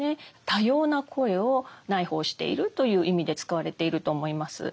多様な声を内包しているという意味で使われていると思います。